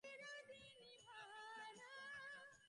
এ-জাতীয় গল্পে ডেডবডি শেষ পর্যন্ত থাকে না।